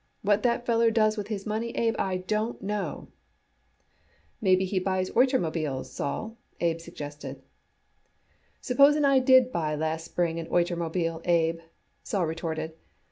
What that feller does with his money, Abe, I don't know." "Maybe he buys oitermobiles, Sol," Abe suggested. "Supposing I did buy last spring an oitermobile, Abe," Sol retorted.